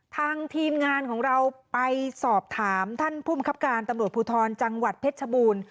ทางทีมงานของเราไปสอบถามท่านภูมิครับการตำรวจภูทรจังหวัดเพชรชบูรณ์